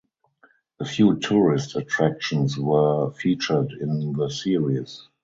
A few tourist attractions were featured in the series.